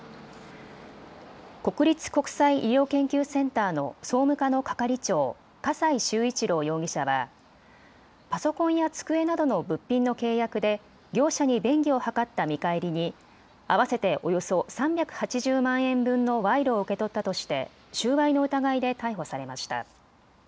国立国際医療研究センターの総務課の係長、笠井崇一郎容疑者はパソコンや机などの物品の契約で業者に便宜を図った見返りに合わせておよそ３８０万円分の賄賂を受け取ったとして収賄の疑いで逮捕されました。